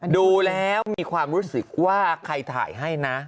ดูแล้วมีความรู้สึกว่าใครถ่ายให้นะ